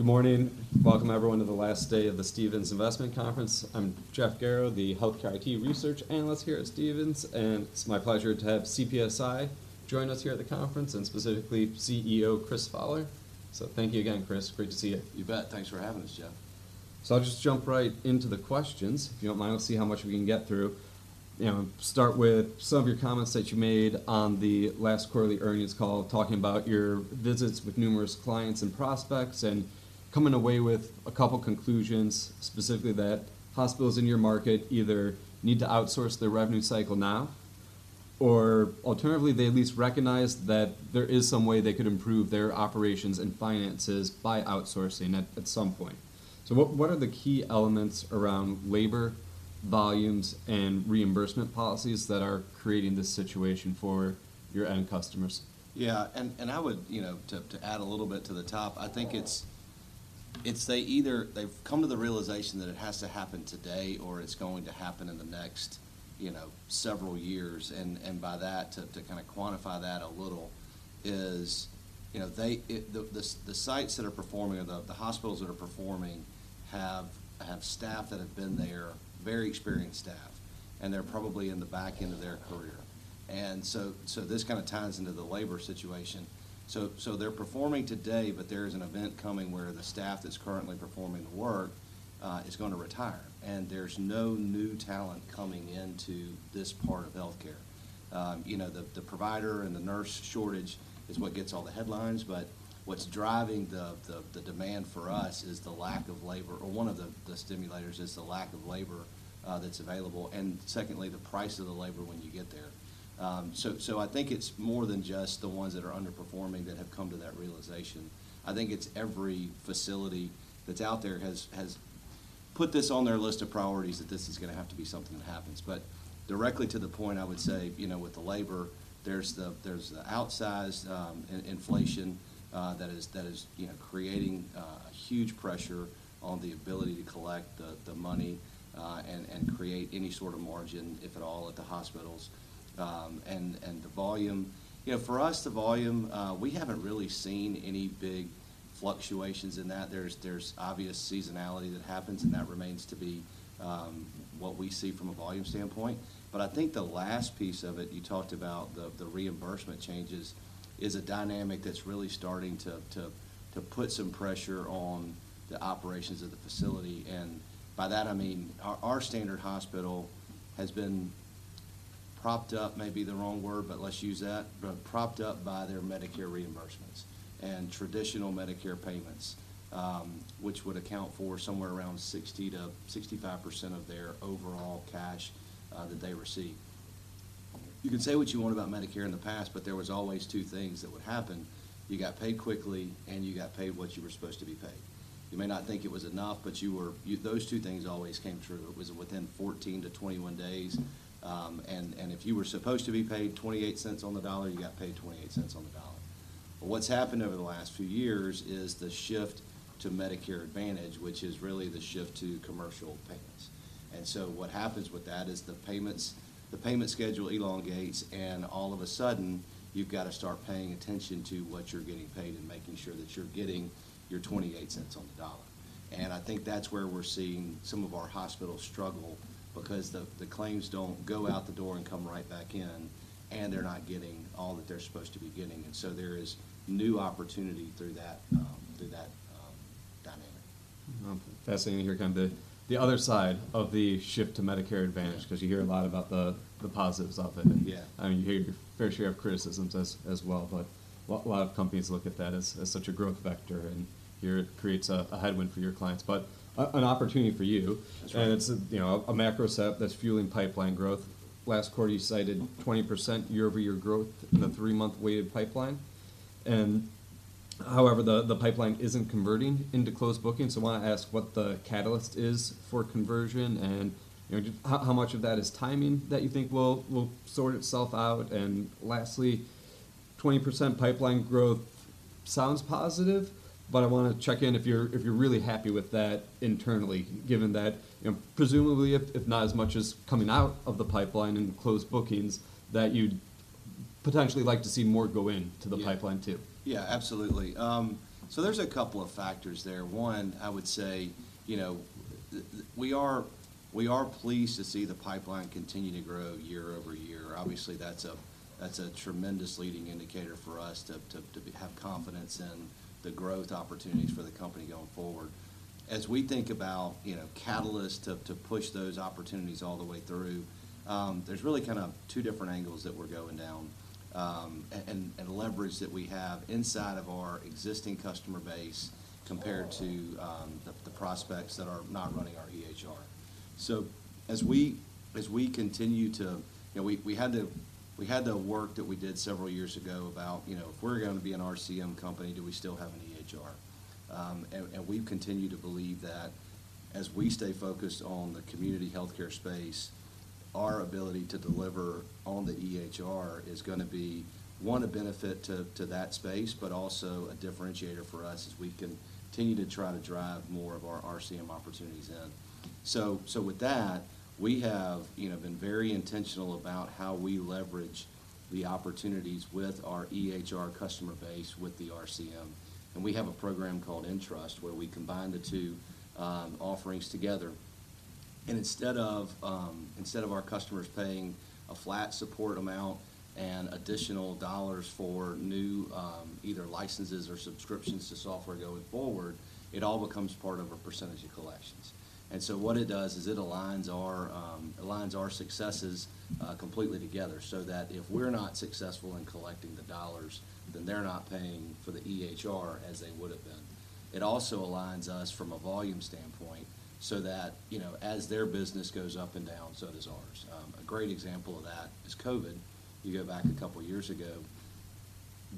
Good morning. Welcome everyone to the last day of the Stephens Investment Conference. I'm Jeff Garro, the healthcare IT research analyst here at Stephens, and it's my pleasure to have CPSI join us here at the conference, and specifically CEO Chris Fowler. So thank you again, Chris. Great to see you. You bet. Thanks for having us, Jeff. So I'll just jump right into the questions, if you don't mind. We'll see how much we can get through. You know, start with some of your comments that you made on the last quarterly earnings call, talking about your visits with numerous clients and prospects, and coming away with a couple conclusions, specifically that hospitals in your market either need to outsource their revenue cycle now, or alternatively, they at least recognize that there is some way they could improve their operations and finances by outsourcing at some point. So what are the key elements around labor, volumes, and reimbursement policies that are creating this situation for your end customers? Yeah, and I would, you know, to add a little bit to the top, I think it's they either they've come to the realization that it has to happen today or it's going to happen in the next, you know, several years. And by that, to kinda quantify that a little, you know, The sites that are performing or the hospitals that are performing have staff that have been there, very experienced staff, and they're probably in the back end of their career. And so this kinda ties into the labor situation. So they're performing today, but there is an event coming where the staff that's currently performing the work is gonna retire, and there's no new talent coming into this part of healthcare. You know, the provider and the nurse shortage is what gets all the headlines, but what's driving the demand for us is the lack of labor, or one of the stimulators is the lack of labor that's available, and secondly, the price of the labor when you get there. So, I think it's more than just the ones that are underperforming that have come to that realization. I think it's every facility that's out there has put this on their list of priorities, that this is gonna have to be something that happens. But directly to the point, I would say, you know, with the labor, there's the outsized inflation that is, you know, creating huge pressure on the ability to collect the money and create any sort of margin, if at all, at the hospitals. And the volume. You know, for us, the volume, we haven't really seen any big fluctuations in that. There's obvious seasonality that happens, and that remains to be what we see from a volume standpoint. But I think the last piece of it, you talked about the reimbursement changes, is a dynamic that's really starting to put some pressure on the operations of the facility. By that I mean our standard hospital has been propped up, may be the wrong word, but let's use that, but propped up by their Medicare reimbursements and traditional Medicare payments, which would account for somewhere around 60%-65% of their overall cash that they receive. You can say what you want about Medicare in the past, but there was always two things that would happen: you got paid quickly, and you got paid what you were supposed to be paid. You may not think it was enough, but you were those two things always came true. It was within 14-21 days, and if you were supposed to be paid 28 cents on the dollar, you got paid $0.28 on the dollar. But what's happened over the last few years is the shift to Medicare Advantage, which is really the shift to commercial payments. And so what happens with that is the payments—the payment schedule elongates, and all of a sudden, you've got to start paying attention to what you're getting paid and making sure that you're getting your $0.28 on the dollar. And I think that's where we're seeing some of our hospitals struggle, because the claims don't go out the door and come right back in, and they're not getting all that they're supposed to be getting. And so there is new opportunity through that, through that dynamic. Okay. Fascinating to hear kind of the other side of the shift to Medicare Advantage, 'cause you hear a lot about the positives of it. Yeah. I mean, you hear your fair share of criticisms as well, but a lot of companies look at that as such a growth vector, and here it creates a headwind for your clients, but an opportunity for you. That's right. It's, you know, a macro set that's fueling pipeline growth. Last quarter, you cited 20% year-over-year growth in the three-month weighted pipeline, and however, the pipeline isn't converting into closed bookings. I wanna ask what the catalyst is for conversion, and, you know, just how much of that is timing that you think will sort itself out? Lastly, 20% pipeline growth sounds positive, but I wanna check in if you're really happy with that internally, given that, you know, presumably, if not as much is coming out of the pipeline in closed bookings, that you'd potentially like to see more go in to the pipeline too. Yeah, absolutely. So there's a couple of factors there. One, I would say, you know, we are, we are pleased to see the pipeline continue to grow year-over-year. Obviously, that's a tremendous leading indicator for us to have confidence in the growth opportunities for the company going forward. As we think about, you know, catalysts to push those opportunities all the way through, there's really kind of two different angles that we're going down, and leverage that we have inside of our existing customer base compared to the prospects that are not running our EHR. So as we continue to... You know, we had the work that we did several years ago about, you know, if we're going to be an RCM company, do we still have an EHR? And we've continued to believe that as we stay focused on the community healthcare space, our ability to deliver on the EHR is gonna be, one, a benefit to that space, but also a differentiator for us as we continue to try to drive more of our RCM opportunities in. So with that, we have, you know, been very intentional about how we leverage the opportunities with our EHR customer base, with the RCM, and we have a program called nTrust, where we combine the two offerings together... and instead of our customers paying a flat support amount and additional dollars for new either licenses or subscriptions to software going forward, it all becomes part of a percentage of collections. So what it does is it aligns our, aligns our successes completely together, so that if we're not successful in collecting the dollars, then they're not paying for the EHR as they would have been. It also aligns us from a volume standpoint, so that, you know, as their business goes up and down, so does ours. A great example of that is COVID. You go back a couple of years ago,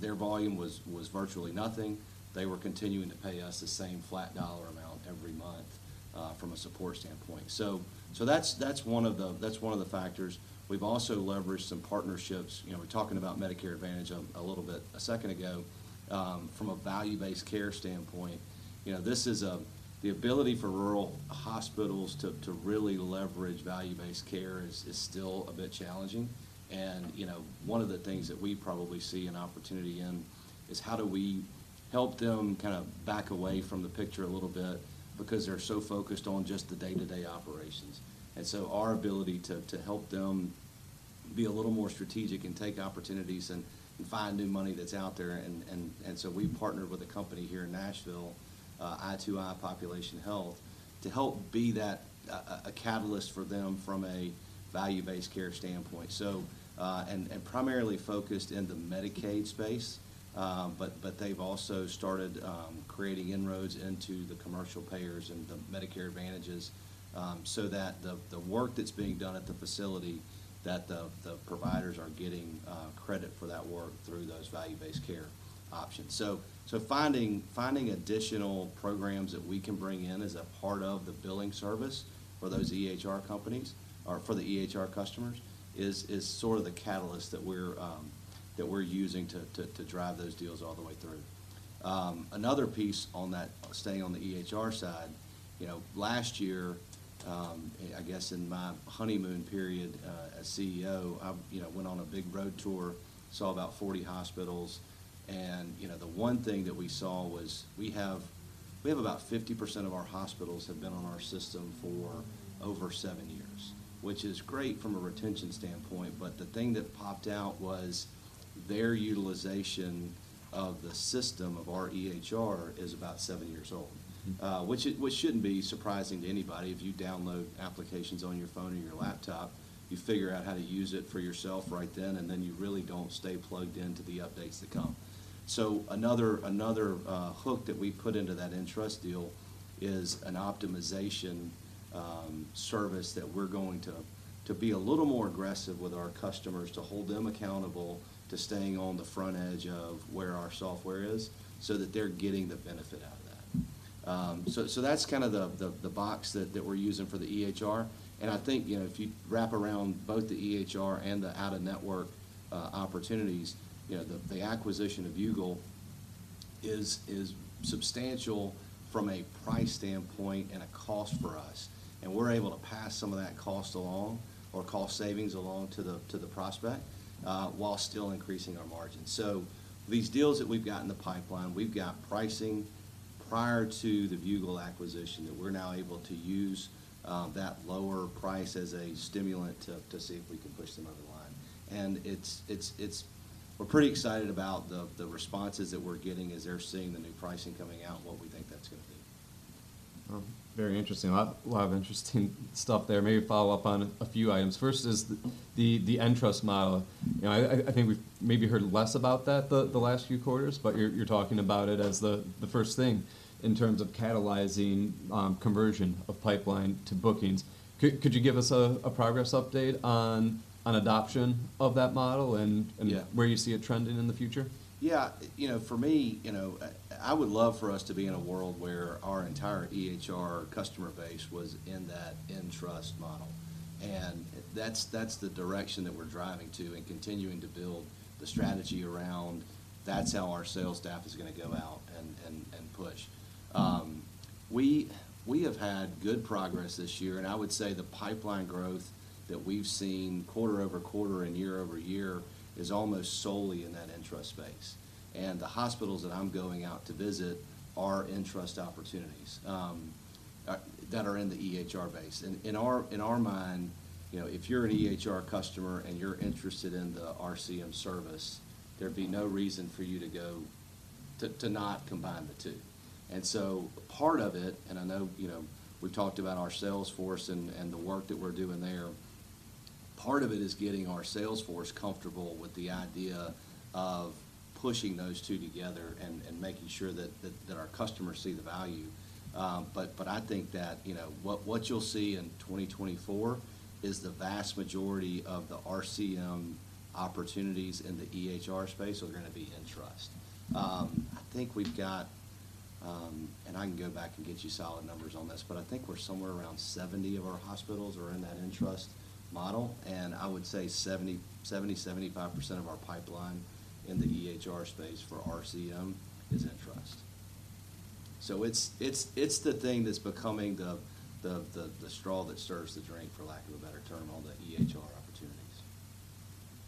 their volume was virtually nothing. They were continuing to pay us the same flat dollar amount every month, from a support standpoint. So that's one of the factors. We've also leveraged some partnerships. You know, we're talking about Medicare Advantage a little bit a second ago, from a Value-Based Care standpoint. You know, this is the ability for rural hospitals to really leverage value-based care is still a bit challenging. You know, one of the things that we probably see an opportunity in is how do we help them kind of back away from the picture a little bit because they're so focused on just the day-to-day operations. Our ability to help them be a little more strategic and take opportunities and find new money that's out there. So we've partnered with a company here in Nashville, i2i Population Health, to help be that catalyst for them from a value-based care standpoint. So, and primarily focused in the Medicaid space, but they've also started creating inroads into the commercial payers and the Medicare Advantage, so that the work that's being done at the facility, that the providers are getting credit for that work through those value-based care options. So, finding additional programs that we can bring in as a part of the billing service for those EHR companies or for the EHR customers is sort of the catalyst that we're using to drive those deals all the way through. Another piece on that, staying on the EHR side, you know, last year, I guess in my honeymoon period as CEO, I, you know, went on a big road tour, saw about 40 hospitals, and, you know, the one thing that we saw was we have, we have about 50% of our hospitals have been on our system for over seven years, which is great from a retention standpoint, but the thing that popped out was their utilization of the system of our EHR is about seven years old, which shouldn't be surprising to anybody. If you download applications on your phone or your laptop, you figure out how to use it for yourself right then, and then you really don't stay plugged into the updates that come. So another hook that we put into that nTrust deal is an optimization service that we're going to be a little more aggressive with our customers, to hold them accountable to staying on the front edge of where our software is, so that they're getting the benefit out of that. So that's kind of the box that we're using for the EHR. And I think, you know, if you wrap around both the EHR and the out-of-network opportunities, you know, the acquisition of Viewgol is substantial from a price standpoint and a cost for us, and we're able to pass some of that cost along or cost savings along to the prospect while still increasing our margin. So these deals that we've got in the pipeline, we've got pricing prior to the Viewgol acquisition, that we're now able to use, that lower price as a stimulant to see if we can push them over the line. It's... We're pretty excited about the responses that we're getting as they're seeing the new pricing coming out and what we think that's gonna be. Very interesting. A lot, a lot of interesting stuff there. Maybe follow up on a few items. First is the nTrust model. You know, I think we've maybe heard less about that, the last few quarters, but you're talking about it as the first thing in terms of catalyzing conversion of pipeline to bookings. Could you give us a progress update on adoption of that model and- Yeah. where you see it trending in the future? Yeah. You know, for me, you know, I would love for us to be in a world where our entire EHR customer base was in that nTrust model, and that's, that's the direction that we're driving to and continuing to build the strategy around. That's how our sales staff is gonna go out and push. We have had good progress this year, and I would say the pipeline growth that we've seen quarter-over-quarter and year-over-year is almost solely in that nTrust space. And the hospitals that I'm going out to visit are nTrust opportunities that are in the EHR base. And in our mind, you know, if you're an EHR customer, and you're interested in the RCM service, there'd be no reason for you to go to not combine the two. And so part of it, and I know, you know, we've talked about our sales force and the work that we're doing there, part of it is getting our sales force comfortable with the idea of pushing those two together and making sure that our customers see the value. But I think that, you know, what you'll see in 2024 is the vast majority of the RCM opportunities in the EHR space are gonna be nTrust. I think we've got... And I can go back and get you solid numbers on this, but I think we're somewhere around 70 of our hospitals are in that nTrust model, and I would say 70-75% of our pipeline in the EHR space for RCM is nTrust. So it's the thing that's becoming the straw that stirs the drink, for lack of a better term, all the EHR opportunities....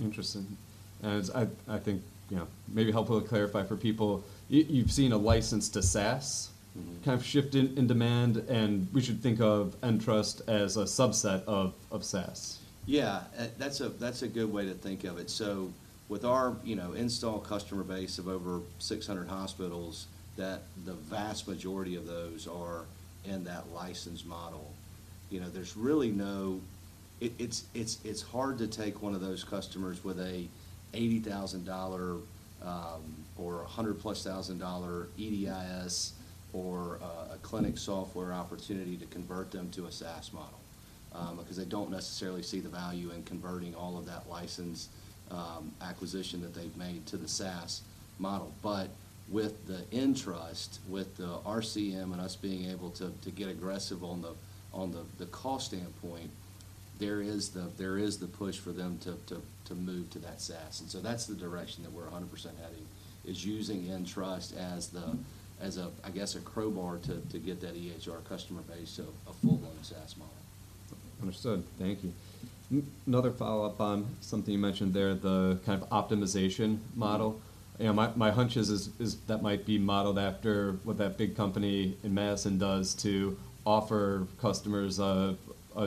Interesting. And I think, you know, maybe helpful to clarify for people, you've seen a license to SaaS- Mm-hmm. kind of shift in demand, and we should think of nTrust as a subset of SaaS? Yeah, that's a good way to think of it. So with our, you know, installed customer base of over 600 hospitals, that the vast majority of those are in that license model, you know, there's really no, it's hard to take one of those customers with a $80,000 or a $100,000 EDIS or a clinic software opportunity to convert them to a SaaS model, because they don't necessarily see the value in converting all of that license acquisition that they've made to the SaaS model. But with the nTrust, with the RCM and us being able to get aggressive on the cost standpoint, there is the push for them to move to that SaaS. So that's the direction that we're 100% heading, is using nTrust as the- Mm-hmm. as a, I guess, a crowbar to get that EHR customer base to a full-blown SaaS model. Understood. Thank you. Another follow-up on something you mentioned there, the kind of optimization model. You know, my hunch is that might be modeled after what that big company in Madison does to offer customers a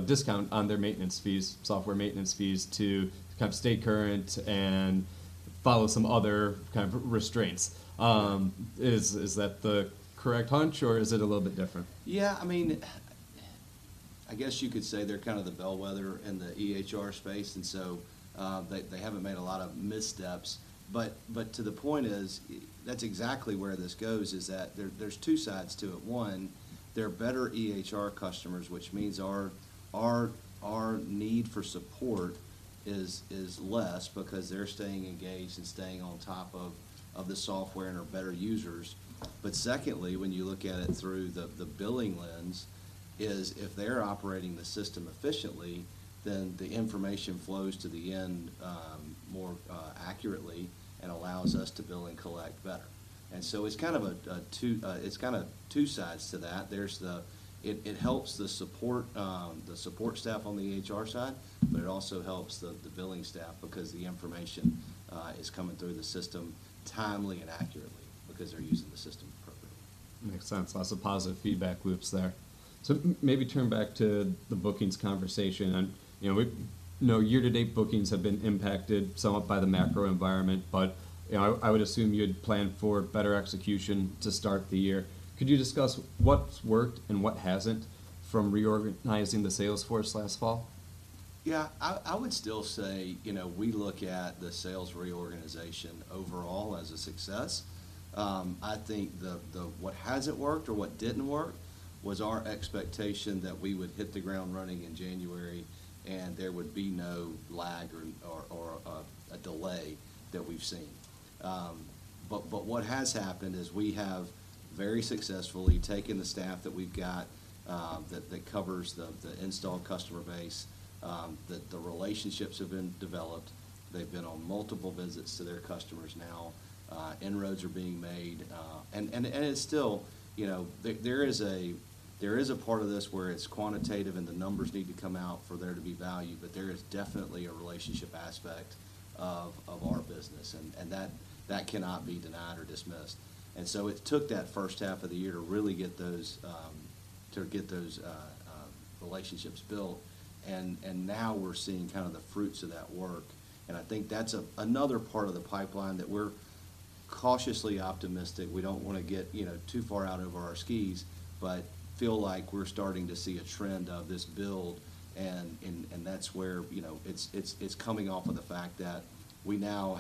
discount on their maintenance fees, software maintenance fees, to kind of stay current and follow some other kind of restraints. Is that the correct hunch, or is it a little bit different? Yeah, I mean, I guess you could say they're kind of the bellwether in the EHR space, and so, they haven't made a lot of missteps. But to the point is, that's exactly where this goes, is that there, there's two sides to it. One, they're better EHR customers, which means our need for support is less because they're staying engaged and staying on top of the software and are better users. But secondly, when you look at it through the billing lens, if they're operating the system efficiently, then the information flows to the end more accurately and allows us to bill and collect better. And so it's kind of two sides to that. There's the... It helps the support staff on the EHR side, but it also helps the billing staff because the information is coming through the system timely and accurately, because they're using the system appropriately. Makes sense. Lots of positive feedback loops there. So maybe turn back to the bookings conversation. And, you know, we know year-to-date bookings have been impacted somewhat by the macro environment, but, you know, I would assume you had planned for better execution to start the year. Could you discuss what's worked and what hasn't from reorganizing the sales force last fall? Yeah. I would still say, you know, we look at the sales reorganization overall as a success. I think what hasn't worked or what didn't work was our expectation that we would hit the ground running in January, and there would be no lag or a delay that we've seen. But what has happened is we have very successfully taken the staff that we've got that covers the installed customer base that the relationships have been developed. They've been on multiple visits to their customers now, inroads are being made, and it's still, you know... There is a part of this where it's quantitative, and the numbers need to come out for there to be value, but there is definitely a relationship aspect of our business, and that cannot be denied or dismissed. And so it took that first half of the year to really get those relationships built, and now we're seeing kind of the fruits of that work, and I think that's another part of the pipeline that we're cautiously optimistic. We don't want to get, you know, too far out over our skis, but feel like we're starting to see a trend of this build, and that's where, you know... It's coming off of the fact that we now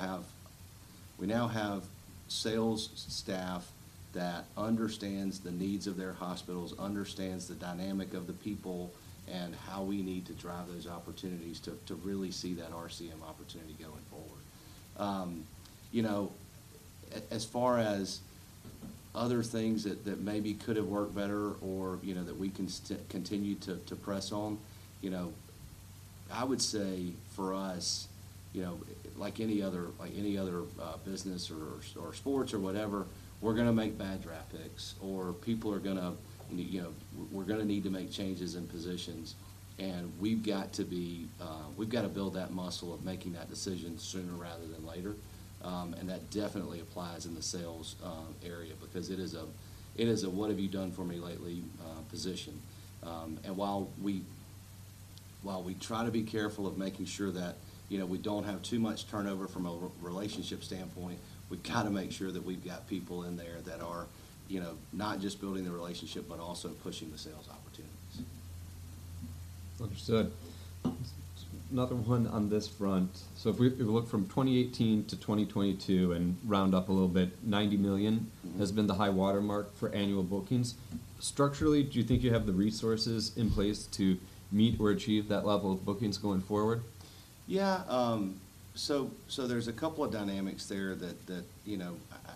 have sales staff that understands the needs of their hospitals, understands the dynamic of the people, and how we need to drive those opportunities to really see that RCM opportunity going forward. You know, as far as other things that maybe could have worked better or, you know, that we can continue to press on, you know, I would say for us, you know, like any other business or sports or whatever, we're going to make bad draft picks or people are gonna, you know... We're gonna need to make changes in positions, and we've got to be, we've got to build that muscle of making that decision sooner rather than later. That definitely applies in the sales area, because it is a what-have-you-done-for-me-lately position. While we try to be careful of making sure that, you know, we don't have too much turnover from a relationship standpoint, we've got to make sure that we've got people in there that are, you know, not just building the relationship, but also pushing the sales opportunities. Understood. Another one on this front. So if we, if we look from 2018 to 2022 and round up a little bit, $90 million has been the high watermark for annual bookings. Structurally, do you think you have the resources in place to meet or achieve that level of bookings going forward? Yeah, so there's a couple of dynamics there that, you know,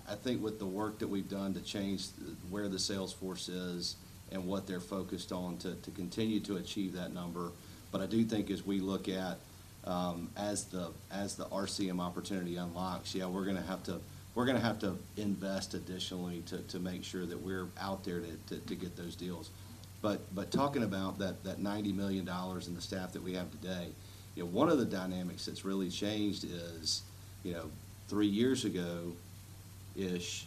I think with the work that we've done to change where the sales force is and what they're focused on to continue to achieve that number. But I do think as we look at the RCM opportunity unlocks, yeah, we're going to have to invest additionally to make sure that we're out there to get those deals. But talking about that $90 million and the staff that we have today, you know, one of the dynamics that's really changed is, you know, three years ago-ish,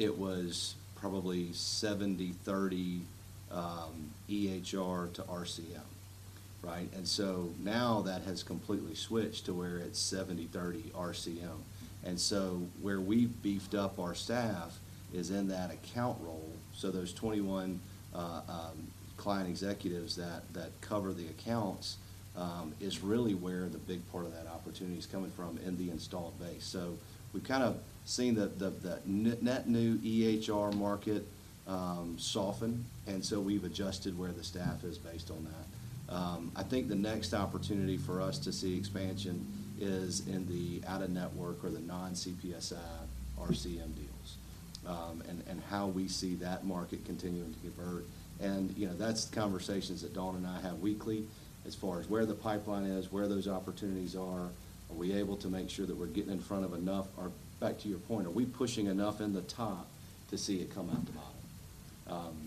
it was probably 70/30 EHR to RCM, right? And so now that has completely switched to where it's 70/30 RCM. And so where we've beefed up our staff is in that account role. Those 21 client executives that cover the accounts is really where the big part of that opportunity is coming from in the installed base. We've kind of seen the net new EHR market soften, and so we've adjusted where the staff is based on that. I think the next opportunity for us to see expansion is in the out-of-network or the non-CPSI RCM deals, and how we see that market continuing to convert. You know, that's conversations that Don and I have weekly as far as where the pipeline is, where those opportunities are. Are we able to make sure that we're getting in front of enough? Or back to your point, are we pushing enough in the top to see it come out the bottom?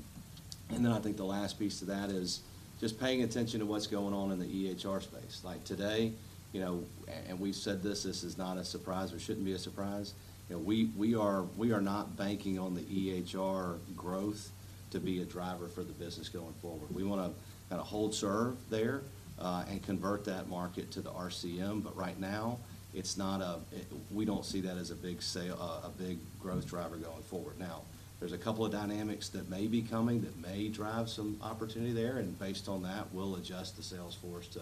And then I think the last piece to that is just paying attention to what's going on in the EHR space. Like today, you know, and we've said this, this is not a surprise or shouldn't be a surprise, you know, we are not banking on the EHR growth to be a driver for the business going forward. We want to kind of hold serve there, and convert that market to the RCM, but right now, it's not—we don't see that as a big sales, a big growth driver going forward. Now, there's a couple of dynamics that may be coming that may drive some opportunity there, and based on that, we'll adjust the sales force to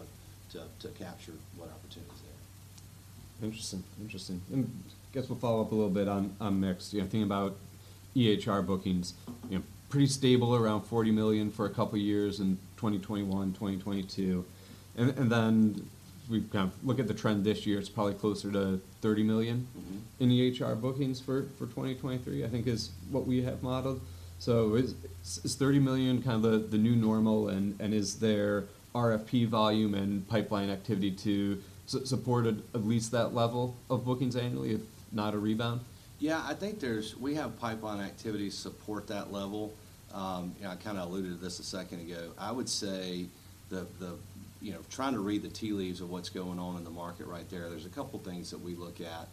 capture what opportunities there are. Interesting. Interesting. And guess we'll follow up a little bit on, on mix. You know, thinking about EHR bookings, you know, pretty stable around $40 million for a couple of years in 2021, 2022. And, and then we kind of look at the trend this year, it's probably closer to $30 million- Mm-hmm. In EHR bookings for 2023, I think is what we have modeled. So is $30 million kind of the new normal, and is there RFP volume and pipeline activity to support at least that level of bookings annually, if not a rebound? Yeah, I think there's—we have pipeline activity support that level. And I kind of alluded to this a second ago. I would say you know, trying to read the tea leaves of what's going on in the market right there, there's a couple of things that we look at,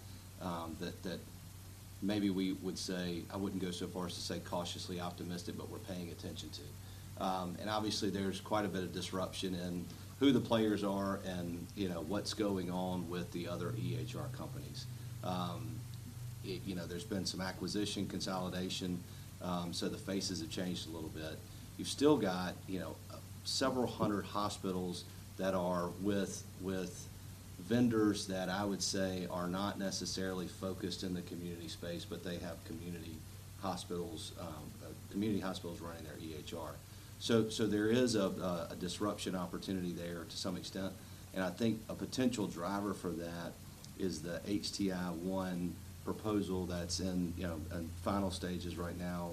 maybe we would say... I wouldn't go so far as to say cautiously optimistic, but we're paying attention to. And obviously, there's quite a bit of disruption in who the players are and, you know, what's going on with the other EHR companies. It you know, there's been some acquisition, consolidation, so the faces have changed a little bit. You've still got, you know, several hundred hospitals that are with vendors that I would say are not necessarily focused in the community space, but they have community hospitals running their EHR. So there is a disruption opportunity there to some extent, and I think a potential driver for that is the HTI-1 proposal that's in, you know, in final stages right now,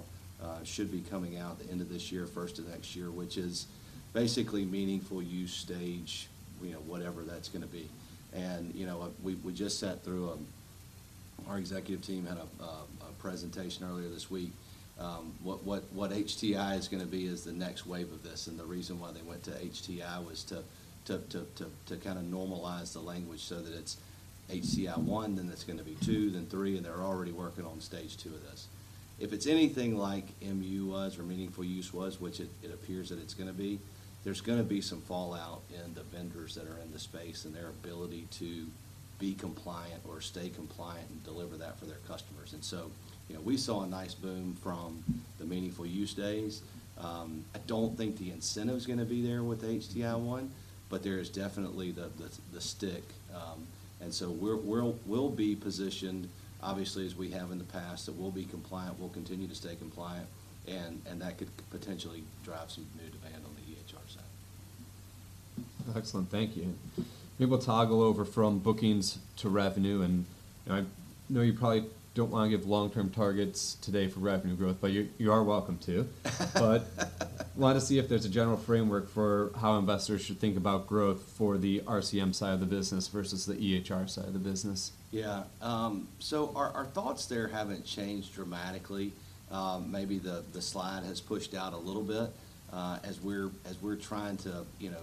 should be coming out at the end of this year, first of next year, which is basically meaningful use stage, you know, whatever that's going to be. And, you know what? We just sat through a... Our executive team had a presentation earlier this week. What HTI is going to be is the next wave of this, and the reason why they went to HTI was to kind of normalize the language so that it's HTI-1, then it's going to be two, then three, and they're already working on stage two of this. If it's anything like MU was, or Meaningful Use was, which it appears that it's going to be, there's going to be some fallout in the vendors that are in the space and their ability to be compliant or stay compliant and deliver that for their customers. And so, you know, we saw a nice boom from the Meaningful Use days. I don't think the incentive is going to be there with HTI-1, but there is definitely the stick. and so we'll be positioned, obviously, as we have in the past, that we'll be compliant, we'll continue to stay compliant, and that could potentially drive some new demand on the EHR side. Excellent. Thank you. Maybe we'll toggle over from bookings to revenue, and I know you probably don't want to give long-term targets today for revenue growth, but you, you are welcome to. But I want to see if there's a general framework for how investors should think about growth for the RCM side of the business versus the EHR side of the business. Yeah. So our thoughts there haven't changed dramatically. Maybe the slide has pushed out a little bit, as we're trying to, you know,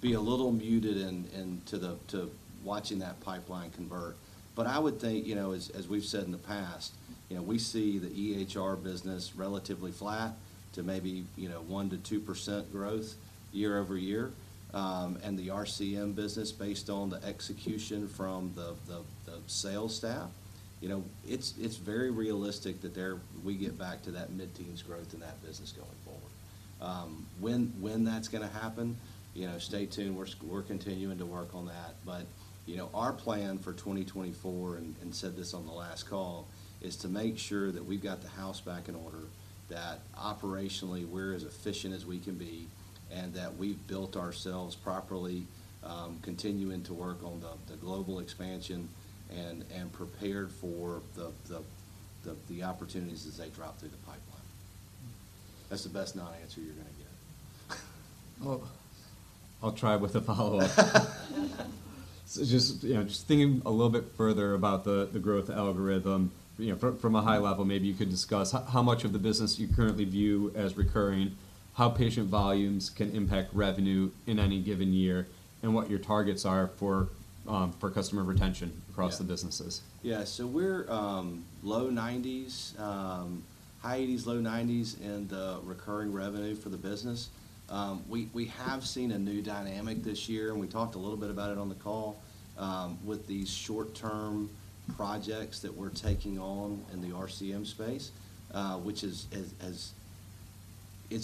be a little muted into watching that pipeline convert. But I would think, you know, as we've said in the past, you know, we see the EHR business relatively flat to maybe, you know, 1%-2% growth year-over-year. And the RCM business, based on the execution from the sales staff, you know, it's very realistic that we get back to that mid-teens growth in that business going forward. When that's going to happen, you know, stay tuned. We're continuing to work on that. But, you know, our plan for 2024, and said this on the last call, is to make sure that we've got the house back in order, that operationally, we're as efficient as we can be, and that we've built ourselves properly, continuing to work on the global expansion and prepared for the opportunities as they drop through the pipeline. That's the best non-answer you're going to get. Well, I'll try with a follow-up. So just, you know, just thinking a little bit further about the, the growth algorithm, you know, from, from a high level, maybe you could discuss how much of the business you currently view as recurring?... how patient volumes can impact revenue in any given year, and what your targets are for, for customer retention- Yeah - across the businesses? Yeah, so we're low 90s, high 80s, low 90s in the recurring revenue for the business. We have seen a new dynamic this year, and we talked a little bit about it on the call, with these short-term projects that we're taking on in the RCM space, which is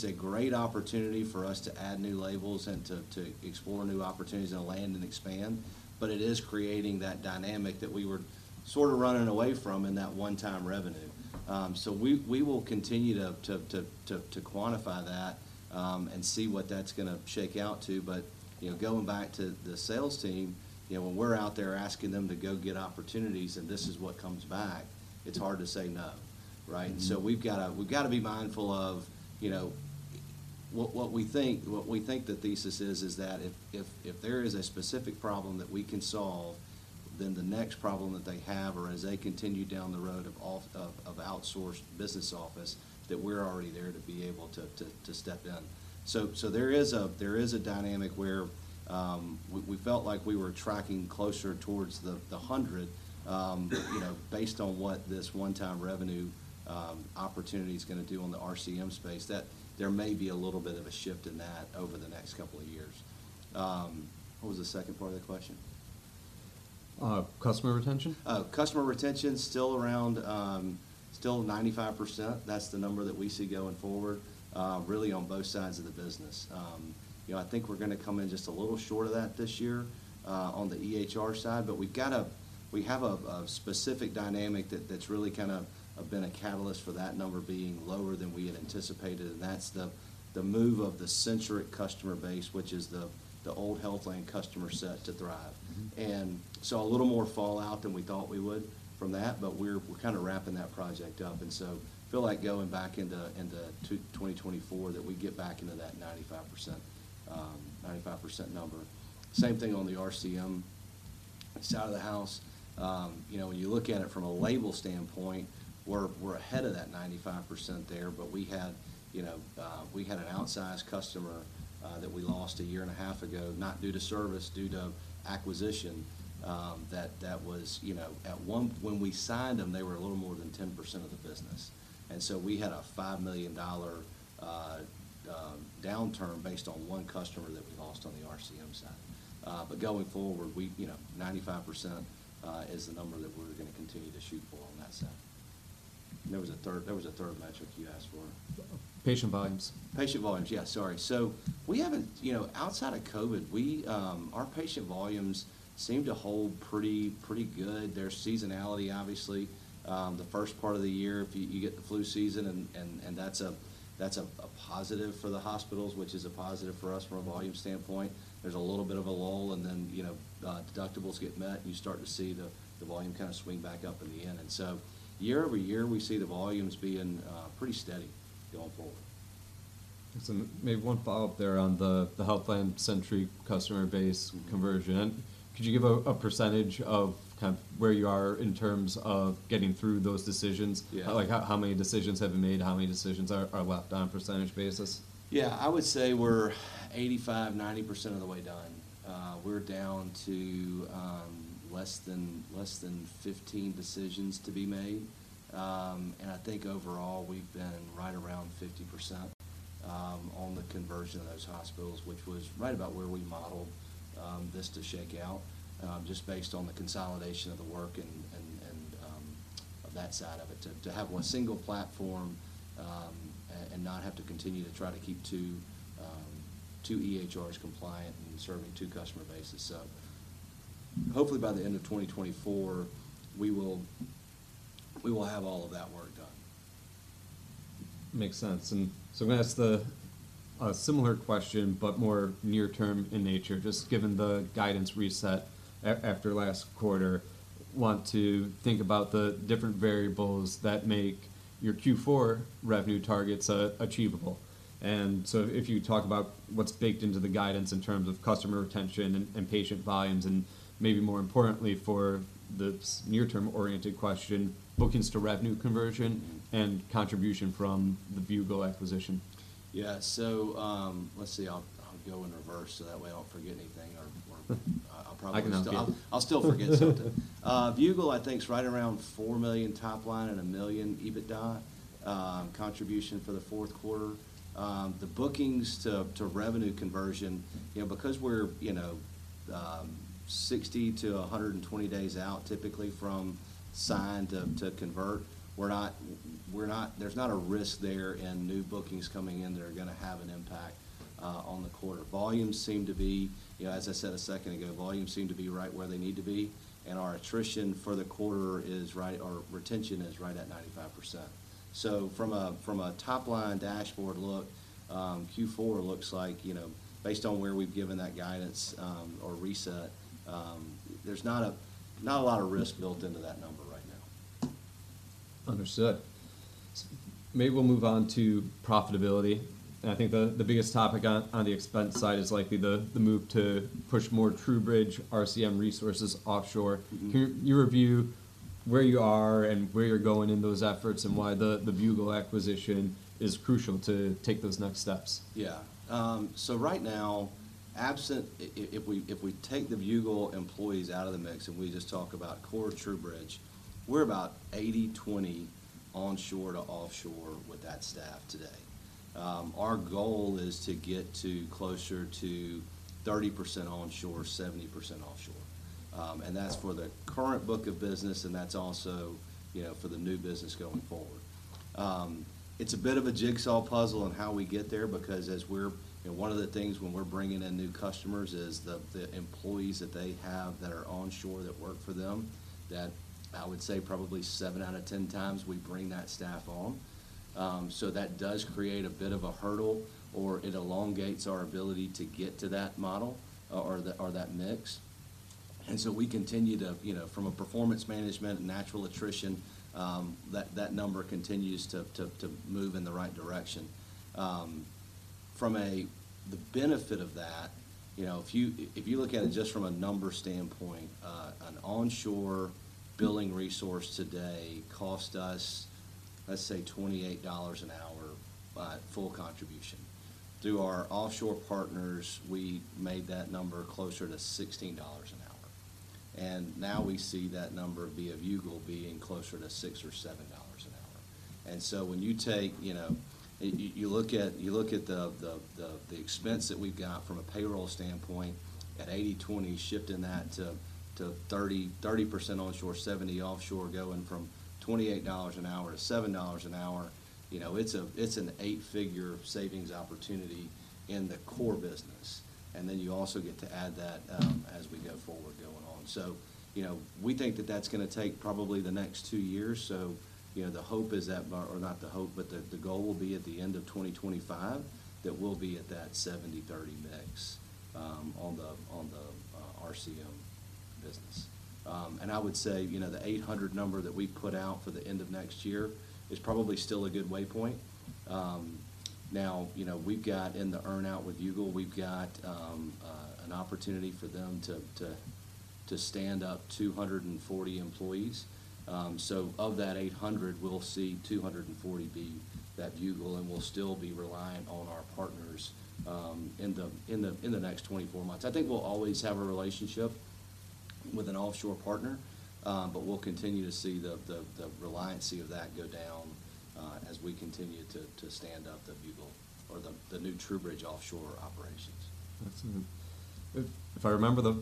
a great opportunity for us to add new labels and to explore new opportunities and land and expand, but it is creating that dynamic that we were sort of running away from in that one-time revenue. So we will continue to quantify that, and see what that's gonna shake out to. But, you know, going back to the sales team, you know, when we're out there asking them to go get opportunities and this is what comes back, it's hard to say no, right? Mm-hmm. So we've gotta be mindful of, you know, what we think the thesis is, that if there is a specific problem that we can solve, then the next problem that they have, or as they continue down the road of offshoring of outsourced business office, that we're already there to be able to step in. So there is a dynamic where we felt like we were tracking closer towards the 100, you know, based on what this one-time revenue opportunity is gonna do on the RCM space, that there may be a little bit of a shift in that over the next couple of years. What was the second part of the question? Customer retention. Customer retention, still around, still 95%. That's the number that we see going forward, really on both sides of the business. You know, I think we're gonna come in just a little short of that this year, on the EHR side, but we have a specific dynamic that's really kind of been a catalyst for that number being lower than we had anticipated, and that's the move of the Centric customer base, which is the old Healthland customer set to Thrive. Mm-hmm. Saw a little more fallout than we thought we would from that, but we're, we're kind of wrapping that project up, and so feel like going back into, into 2024, that we get back into that 95%, 95% number. Same thing on the RCM side of the house. You know, when you look at it from a label standpoint, we're, we're ahead of that 95% there. But we had, you know, we had an outsized customer, that we lost a year and a half ago, not due to service, due to acquisition, that, that was, you know, at one-- when we signed them, they were a little more than 10% of the business, and so we had a $5 million, downturn based on one customer that we lost on the RCM side. But going forward, we, you know, 95% is the number that we're gonna continue to shoot for on that side. There was a third, there was a third metric you asked for. Patient volumes. Patient volumes. Yeah, sorry. So we haven't... You know, outside of COVID, we, our patient volumes seem to hold pretty, pretty good. There's seasonality, obviously. The first part of the year, if you get the flu season and that's a positive for the hospitals, which is a positive for us from a volume standpoint. There's a little bit of a lull, and then, you know, deductibles get met, and you start to see the volume kind of swing back up in the end. And so year-over-year, we see the volumes being pretty steady going forward. So maybe one follow-up there on the Healthland Centric customer base conversion. Mm-hmm. Could you give a percentage of kind of where you are in terms of getting through those decisions? Yeah. Like, how many decisions have you made? How many decisions are left on a percentage basis? Yeah. I would say we're 85%-90% of the way done. We're down to less than 15 decisions to be made. And I think overall, we've been right around 50% on the conversion of those hospitals, which was right about where we modeled this to shake out, just based on the consolidation of the work and of that side of it, to have one single platform, and not have to continue to try to keep two EHRs compliant and serving two customer bases. So hopefully, by the end of 2024, we will have all of that work done. Makes sense. And so I'm gonna ask the similar question, but more near-term in nature, just given the guidance reset after last quarter. Want to think about the different variables that make your Q4 revenue targets achievable. And so if you talk about what's baked into the guidance in terms of customer retention and patient volumes, and maybe more importantly, for this near-term-oriented question, bookings to revenue conversion- Mm-hmm... and contribution from the Viewgol acquisition. Yeah. So, let's see. I'll go in reverse, so that way I won't forget anything, or I'll probably- I can understand. I'll still forget something. Viewgol, I think, is right around $4 million top line and $1 million EBITDA contribution for the fourth quarter. The bookings to revenue conversion, you know, because we're, you know, 60-120 days out, typically from sign to convert, we're not, we're not—there's not a risk there in new bookings coming in that are gonna have an impact on the quarter. Volumes seem to be, you know, as I said a second ago, volumes seem to be right where they need to be, and our attrition for the quarter is right. Our retention is right at 95%. So from a top-line dashboard look, Q4 looks like, you know, based on where we've given that guidance, or reset, there's not a lot of risk built into that number right now. Understood. Maybe we'll move on to profitability. I think the biggest topic on the expense side is likely the move to push more TruBridge RCM resources offshore. Mm-hmm. Can you review where you are and where you're going in those efforts, and why the Viewgol acquisition is crucial to take those next steps? Yeah. So right now, absent if we take the Viewgol employees out of the mix, and we just talk about core TruBridge, we're about 80/20 onshore to offshore with that staff today. Our goal is to get to closer to 30% onshore, 70% offshore. And that's for the current book of business, and that's also, you know, for the new business going forward. It's a bit of a jigsaw puzzle on how we get there, because one of the things when we're bringing in new customers is the employees that they have that are onshore that work for them, that I would say probably 7/10x, we bring that staff on. So that does create a bit of a hurdle, or it elongates our ability to get to that model or that mix. And so we continue to, you know, from a performance management and natural attrition, that number continues to move in the right direction. From the benefit of that, you know, if you look at it just from a numbers standpoint, an onshore billing resource today costs us, let's say, $28 an hour by full contribution. Through our offshore partners, we made that number closer to $16 an hour, and now we see that number via Viewgol being closer to $6 or $7 an hour. So when you take, you know, you look at the expense that we've got from a payroll standpoint at 80/20, shifting that to 30% onshore, 70% offshore, going from $28 an hour to $7 an hour, you know, it's an eight-figure savings opportunity in the core business. And then you also get to add that, as we go forward, going on. So, you know, we think that that's gonna take probably the next 2 years. So, you know, the hope is that, or not the hope, but the goal will be at the end of 2025, that we'll be at that 70/30 mix, on the RCM business. And I would say, you know, the 800 number that we put out for the end of next year is probably still a good waypoint. Now, you know, we've got in the earn-out with Viewgol, we've got an opportunity for them to stand up 240 employees. So of that 800, we'll see 240 be that Viewgol, and we'll still be reliant on our partners in the next 24 months. I think we'll always have a relationship with an offshore partner, but we'll continue to see the reliance of that go down as we continue to stand up the Viewgol or the new TruBridge offshore operations. That's amazing. If I remember the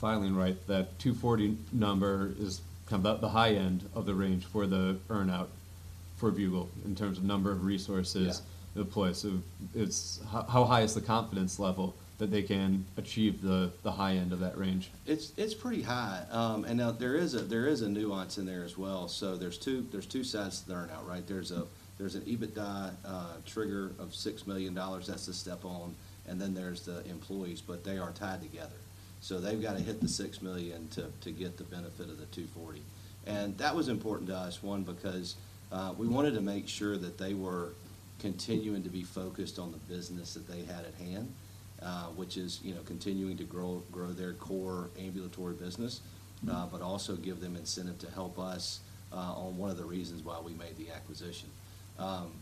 filing right, that 240 number is kind of at the high end of the range for the earn-out for Viewgol in terms of number of resources- Yeah - deployed. So it's... How high is the confidence level that they can achieve the high end of that range? It's pretty high. And now there is a nuance in there as well. So there's two sides to the earn-out, right? There's an EBITDA trigger of $6 million. That's the step one, and then there's the employees, but they are tied together. So they've got to hit the $6 million to get the benefit of the 240. And that was important to us, one, because we wanted to make sure that they were continuing to be focused on the business that they had at hand, which is, you know, continuing to grow their core ambulatory business- Mm-hmm... but also give them incentive to help us, on one of the reasons why we made the acquisition.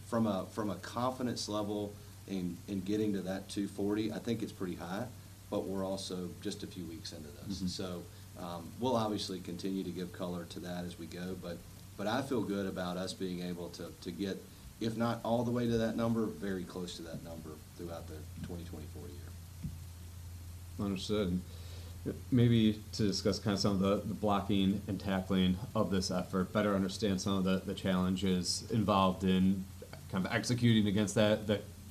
From a confidence level in getting to that 240, I think it's pretty high, but we're also just a few weeks into this. Mm-hmm. We'll obviously continue to give color to that as we go, but I feel good about us being able to get, if not all the way to that number, very close to that number throughout the 2024 year. Understood. Maybe to discuss kind of some of the blocking and tackling of this effort, better understand some of the challenges involved in kind of executing against that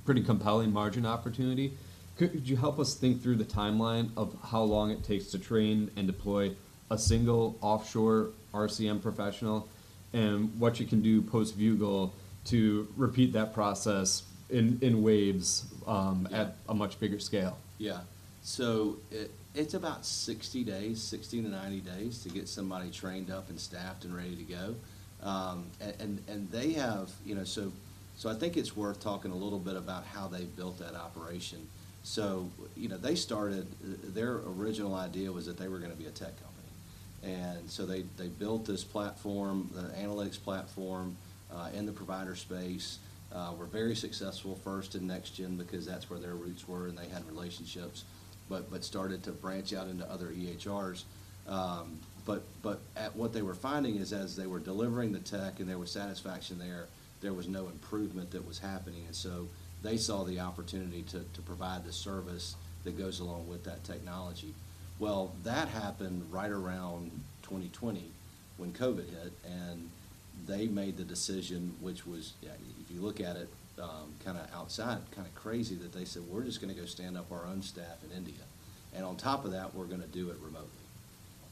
pretty compelling margin opportunity. Could you help us think through the timeline of how long it takes to train and deploy a single offshore RCM professional, and what you can do post-Viewgol to repeat that process in waves. Yeah... at a much bigger scale? Yeah. So it, it's about 60 days, 60-90 days, to get somebody trained up and staffed and ready to go. And they have... You know, so I think it's worth talking a little bit about how they built that operation. So, you know, they started. Their original idea was that they were gonna be a tech company, and so they built this platform, an analytics platform, in the provider space. Were very successful first in NextGen because that's where their roots were, and they had relationships, but started to branch out into other EHRs. But at. What they were finding is, as they were delivering the tech, and there was satisfaction there, there was no improvement that was happening, and so they saw the opportunity to provide the service that goes along with that technology. Well, that happened right around 2020 when COVID hit, and they made the decision, which was, yeah, if you look at it, kinda outside, kinda crazy, that they said: "We're just gonna go stand up our own staff in India, and on top of that, we're gonna do it remotely."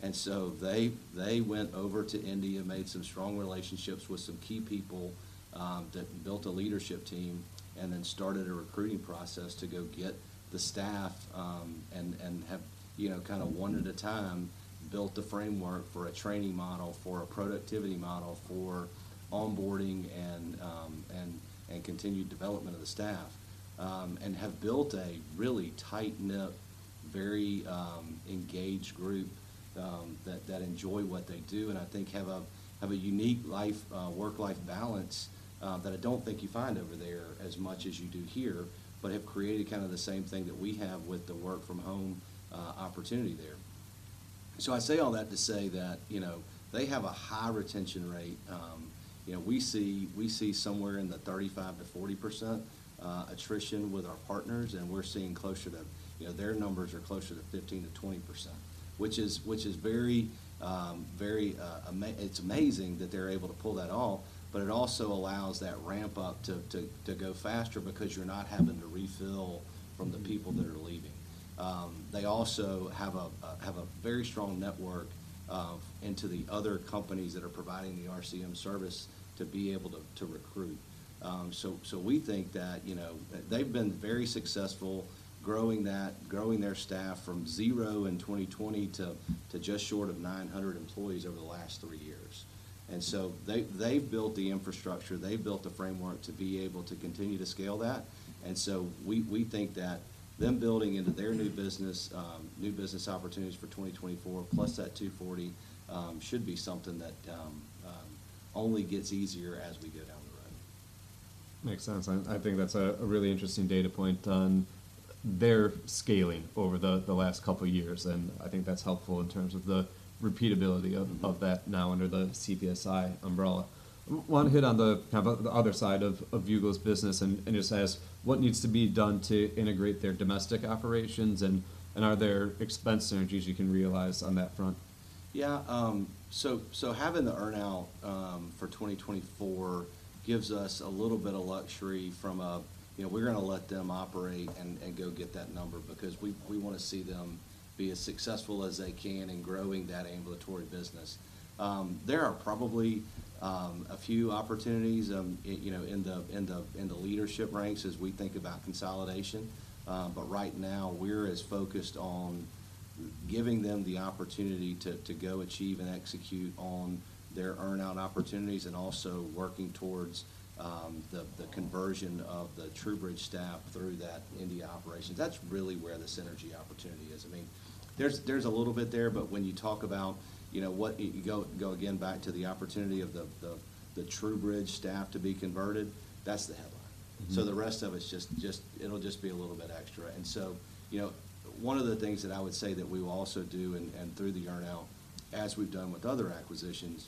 And so they went over to India, made some strong relationships with some key people that built a leadership team, and then started a recruiting process to go get the staff, and have, you know, kind of one at a time, built the framework for a training model, for a productivity model, for onboarding, and continued development of the staff, and have built a really tight-knit... Very engaged group that enjoy what they do, and I think have a unique life work-life balance that I don't think you find over there as much as you do here, but have created kind of the same thing that we have with the work from home opportunity there. So I say all that to say that, you know, they have a high retention rate. You know, we see somewhere in the 35%-40% attrition with our partners, and we're seeing closer to. You know, their numbers are closer to 15%-20%, which is very amazing. It's amazing that they're able to pull that off, but it also allows that ramp up to go faster because you're not having to refill from the people that are leaving. They also have a very strong network of into the other companies that are providing the RCM service to be able to recruit. So we think that, you know, they've been very successful growing that, growing their staff from 0 in 2020 to just short of 900 employees over the last three years. So they built the infrastructure, they built the framework to be able to continue to scale that. We think that them building into their new business opportunities for 2024, plus that $240, should be something that only gets easier as we go down the road. Makes sense. I think that's a really interesting data point on their scaling over the last couple of years, and I think that's helpful in terms of the repeatability of that now under the CPSI umbrella. Want to hit on the kind of the other side of Viewgol's business and just ask, what needs to be done to integrate their domestic operations, and are there expense synergies you can realize on that front? Yeah. So having the earn-out for 2024 gives us a little bit of luxury from a... You know, we're going to let them operate and go get that number, because we want to see them be as successful as they can in growing that ambulatory business. There are probably a few opportunities, you know, in the leadership ranks as we think about consolidation. But right now, we're as focused on giving them the opportunity to go achieve and execute on their earn-out opportunities, and also working towards the conversion of the TruBridge staff through that India operations. That's really where the synergy opportunity is. I mean, there's a little bit there, but when you talk about, you know, what you go again back to the opportunity of the TruBridge staff to be converted, that's the headline. Mm-hmm. So the rest of it's just, it'll just be a little bit extra. And so, you know, one of the things that I would say that we will also do and through the earn-out, as we've done with other acquisitions,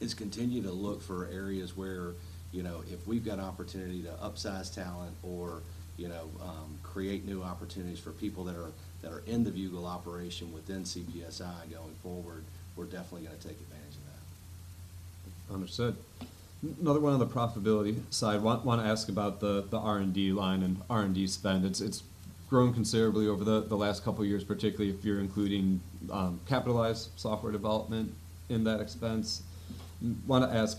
is continue to look for areas where, you know, if we've got an opportunity to upsize talent or, you know, create new opportunities for people that are in the Viewgol operation within CPSI going forward, we're definitely going to take advantage of that. Understood. Another one on the profitability side. Want to ask about the R&D line and R&D spend. It's grown considerably over the last couple of years, particularly if you're including capitalized software development in that expense. Want to ask: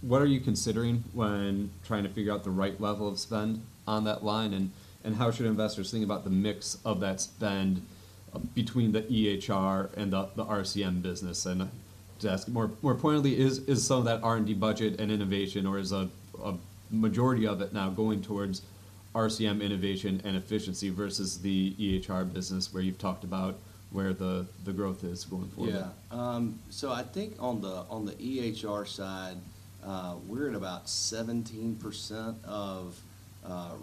What are you considering when trying to figure out the right level of spend on that line? And how should investors think about the mix of that spend between the EHR and the RCM business? And to ask more pointedly, is some of that R&D budget and innovation, or is a majority of it now going towards RCM innovation and efficiency versus the EHR business, where you've talked about where the growth is going forward? Yeah. So I think on the, on the EHR side, we're at about 17% of,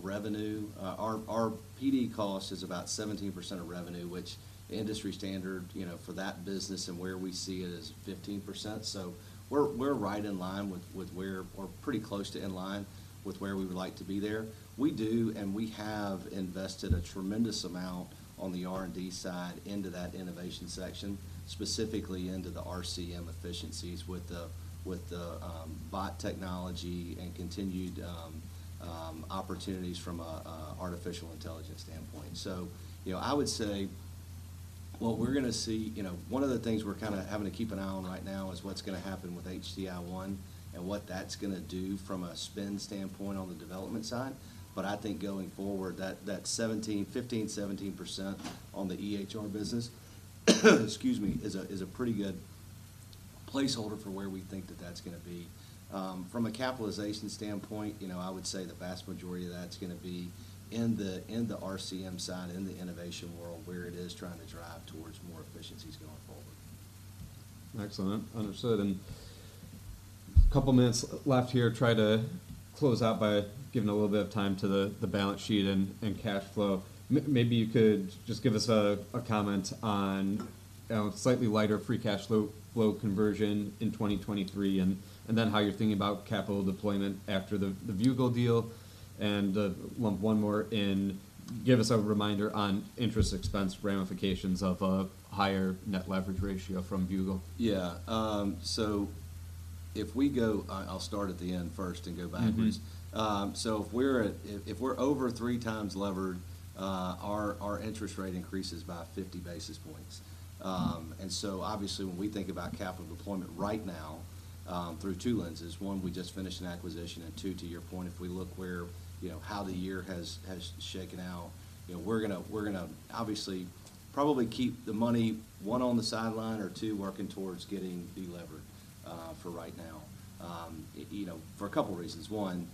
revenue. Our, our PD cost is about 17% of revenue, which the industry standard, you know, for that business and where we see it, is 15%. So we're, we're right in line with, with where... or pretty close to in line with where we would like to be there. We do, and we have invested a tremendous amount on the R&D side into that innovation section, specifically into the RCM efficiencies with the, with the, bot technology and continued, opportunities from a, a artificial intelligence standpoint. So, you know, I would say what we're going to see. You know, one of the things we're kind of having to keep an eye on right now is what's going to happen with HTI-1 and what that's going to do from a spend standpoint on the development side. But I think going forward, that, that 17%, 15%, 17% on the EHR business, excuse me, is a, is a pretty good placeholder for where we think that that's going to be. From a capitalization standpoint, you know, I would say the vast majority of that's going to be in the, in the RCM side, in the innovation world, where it is trying to drive towards more efficiencies going forward. Excellent. Understood, and couple minutes left here. Try to close out by giving a little bit of time to the balance sheet and cash flow. Maybe you could just give us a comment on slightly lighter free cash flow conversion in 2023, and then how you're thinking about capital deployment after the Viewgol deal. And one more, give us a reminder on interest expense ramifications of a higher net leverage ratio from Viewgol. Yeah. So if we go... I'll start at the end first and go backwards. Mm-hmm. So if we're at, if we're over 3x levered, our interest rate increases by 50 basis points. And so obviously, when we think about capital deployment right now, through two lenses, one, we just finished an acquisition, and two, to your point, if we look where, you know, how the year has shaken out, you know, we're gonna obviously probably keep the money, one, on the sideline, or two, working towards getting delevered, for right now. You know, for a couple reasons: one,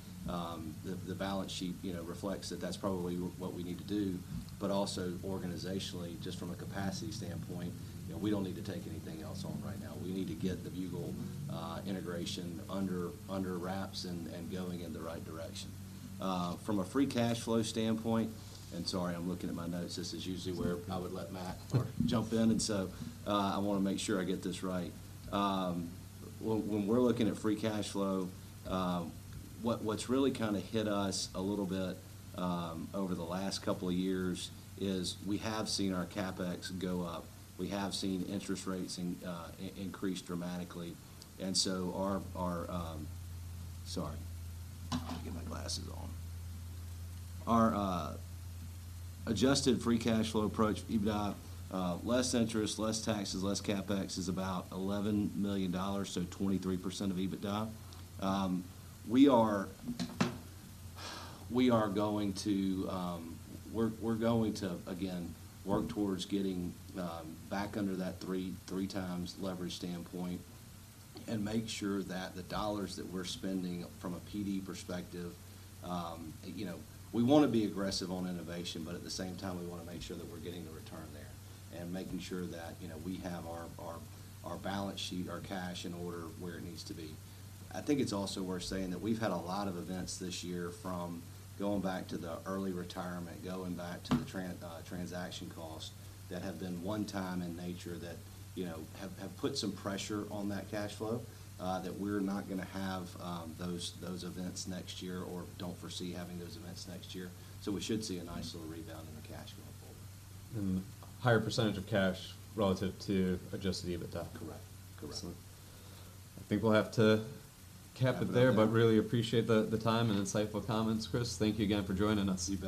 the balance sheet, you know, reflects that that's probably what we need to do, but also organizationally, just from a capacity standpoint, you know, we don't need to take anything else on right now. We need to get the Viewgol integration under wraps and going in the right direction. From a free cash flow standpoint, and sorry, I'm looking at my notes. This is usually where I would let Matt jump in, and so, I wanna make sure I get this right. Well, when we're looking at free cash flow, what, what's really kinda hit us a little bit, over the last couple of years, is we have seen our CapEx go up. We have seen interest rates increase dramatically, and so our... Sorry. Let me get my glasses on. Our Adjusted Free Cash Flow approach, EBITDA less interest, less taxes, less CapEx, is about $11 million, so 23% of EBITDA. We're going to, again, work towards getting back under that 3x leverage standpoint, and make sure that the dollars that we're spending from a PD perspective, you know, we wanna be aggressive on innovation, but at the same time, we wanna make sure that we're getting a return there, and making sure that, you know, we have our balance sheet, our cash, in order where it needs to be. I think it's also worth saying that we've had a lot of events this year, from going back to the early retirement, going back to the transaction costs, that have been one-time in nature that, you know, have put some pressure on that cash flow, that we're not gonna have those events next year or don't foresee having those events next year. So we should see a nice little rebound in the cash flow forward. Higher percentage of cash relative to Adjusted EBITDA? Correct. Correct. Excellent. I think we'll have to cap it there- Cap it there. - but really appreciate the time and insightful comments, Chris. Thank you again for joining us.